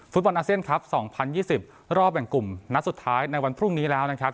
ฟุตบอลอเซียนครับสองพันยี่สิบรอบแบ่งกลุ่มนัดสุดท้ายในวันพรุ่งนี้แล้วนะครับ